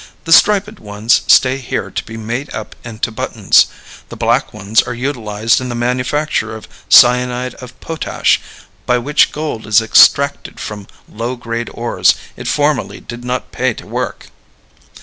The striped ones stay here to be made up into buttons. The black ones are utilized in the manufacture of cyanide of potash, by which gold is extracted from low grade ores it formerly did not pay to work.